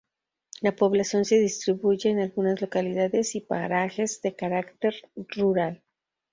La población se distribuye en algunas localidades y parajes de carácter rural.